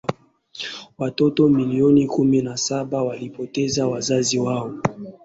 watoto milioni kumi na saba walipoteza wazazi wao